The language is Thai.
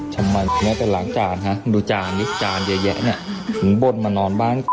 ทำไมไม่ได้ล้างจานฮะดูจานนี้จานเยอะเนี่ยถึงบนมานอนบ้าน